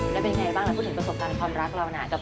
แล้วเป็นไงบ้างล่ะพูดถึงประสบการณ์ความรักเราน่ะ